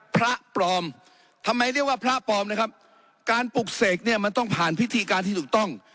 พระปลอมทำไมเรียกว่าพระปลอมนะครับการปลุกเสกเนี่ยมันต้องผ่านพิธีการที่ถูกต้อง